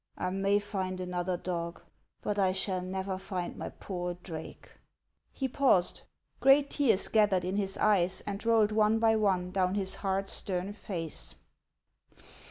" I may find another dog, but I shall never find my poor Drake." He paused ; great tears gathered in his eyes and rolled one by one down his hard, stern face.